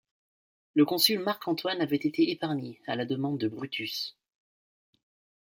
Le consul Marc Antoine avait été épargné, à la demande de Brutus.